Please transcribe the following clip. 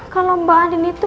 kalau mbak andi itu